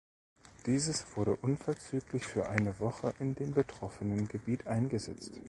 Dieses wurde unverzüglich für eine Woche in dem betroffenen Gebiet eingesetzt.